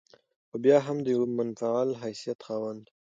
خو بيا هم د يوه منفعل حيثيت خاونده